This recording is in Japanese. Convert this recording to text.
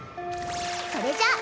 それじゃあ